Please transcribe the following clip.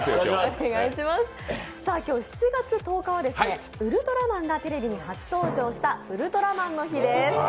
今日７月１０日はウルトラマンがテレビに初登場したウルトラマンの日です。